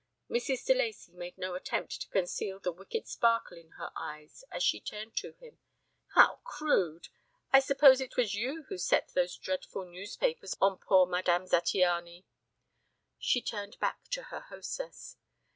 Mrs. de Lacey made no attempt to conceal the wicked sparkle in her eyes as she turned to him. "How crude! I suppose it was you who set those dreadful newspapers on poor Madame Zattiany." She turned back to her hostess.